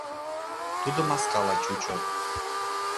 Тудо маскала чучо.